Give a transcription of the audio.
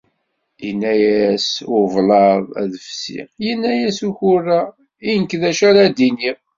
Yenna-as ublaḍ ad fsiɣ, yenna-yas ukurra i nekk d acu ara d-iniɣ